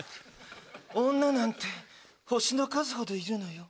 女なんて星の数ほどいるのよ。